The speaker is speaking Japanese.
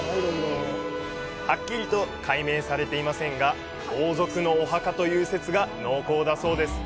はっきりと解明されていませんが王族のお墓という説が濃厚だそうです。